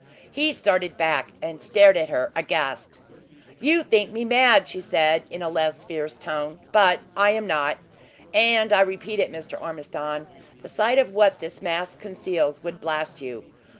He started back, and stared at her aghast. "You think me mad," she said, in a less fierce tone, "but I am not; and I repeat it, Mr. Ormiston, the sight of what this mask conceals would blast you.